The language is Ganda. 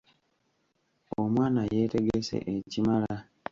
Omwana yeetegese ekimala.